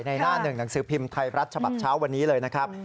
หน้าหนึ่งหนังสือพิมพ์ไทยรัฐฉบับเช้าวันนี้เลยนะครับ